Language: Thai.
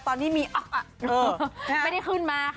ตอนนี้มีออกอ่ะไม่ได้ขึ้นมาค่ะ